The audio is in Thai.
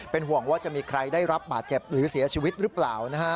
ห่วงว่าจะมีใครได้รับบาดเจ็บหรือเสียชีวิตหรือเปล่า